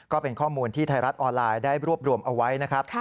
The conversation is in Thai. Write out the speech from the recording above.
ก็เป็นข้อมูลที่ไทยรัฐออนไลน์ได้รวบรวมเอาไว้นะครับ